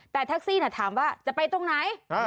แต่แท็กซี่ถามว่าจะไปตรงไหน